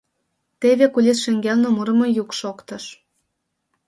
Теве кулис шеҥгелне мурымо йӱк шоктыш.